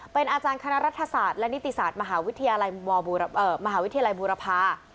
เป็นอาจารย์คณะรัฐศาสตร์และนิติศาสตร์มหาวิทยาลัยมหาวิทยาลัยบูรพา